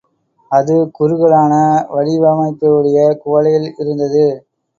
அது, குறுகலான வடிவமைப்புடைய குவளையில் இருந்தது.